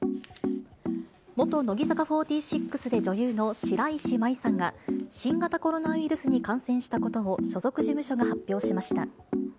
元乃木坂４６で女優の白石麻衣さんが、新型コロナウイルスに感染したことを所属事務所が発表しました。